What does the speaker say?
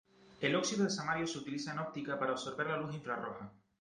El óxido de samario se utiliza en óptica para absorber la luz infrarroja.